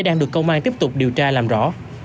đang được công an tiếp tục điều tra làm rõ